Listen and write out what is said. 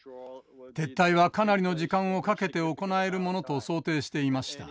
撤退はかなりの時間をかけて行えるものと想定していました。